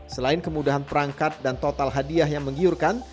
selain kemudahan perangkat dan total hadiah yang menggiurkan